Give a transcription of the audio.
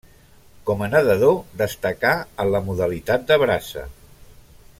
Com a nedador destacà en la modalitat de braça.